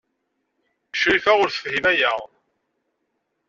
Crifa ur tefhim aya.